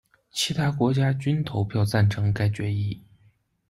其他国家均投票赞成该决议。